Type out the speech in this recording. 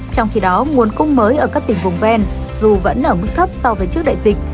trong khi đó nguồn cung mới ở các tỉnh vùng ven dù vẫn ở mức thấp so với trước đại dịch